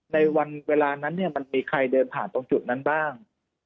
ในวันเวลานั้นเนี่ยมันมีใครเดินผ่านตรงจุดนั้นบ้าง